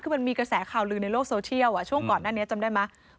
คือมันมีกระแสข่าวลือในโลกโซเชียลช่วงก่อนหน้านี้จำได้ไหม